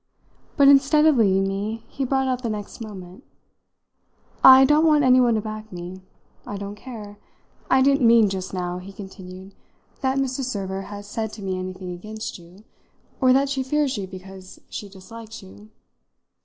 But instead of leaving me he brought out the next moment: "I don't want anyone to back me. I don't care. I didn't mean just now," he continued, "that Mrs. Server has said to me anything against you, or that she fears you because she dislikes you.